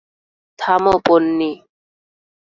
থাম, পোন্নি।